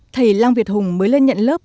thầy lang việt hùng mới lên nhận lời